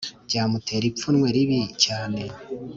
byamutera ipfunwe ribi cyane